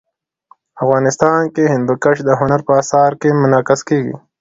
افغانستان کې هندوکش د هنر په اثار کې منعکس کېږي.